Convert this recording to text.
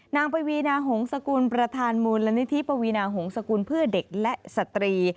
ปวีนาหงษกุลประธานมูลนิธิปวีนาหงษกุลเพื่อเด็กและสตรี